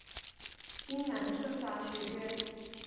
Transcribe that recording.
西南政法学院。